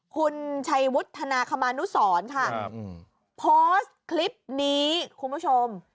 คุณชัยวุฒนาคมานุสรค่ะโพสต์คลิปนี้คุณผู้ชม